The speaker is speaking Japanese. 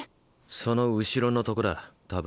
その後ろのとこだ多分。